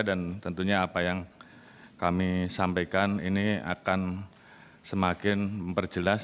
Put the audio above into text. dan tentunya apa yang kami sampaikan ini akan semakin memperjelas